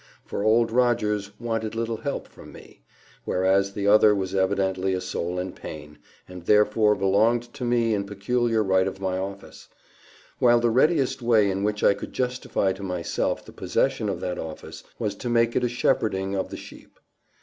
For Old Rogers wanted little help from me; whereas the other was evidently a soul in pain, and therefore belonged to me in peculiar right of my office; while the readiest way in which I could justify to myself the possession of that office was to make it a shepherding of the sheep.